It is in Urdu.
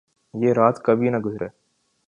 یہ رات کبھی نہ گزرے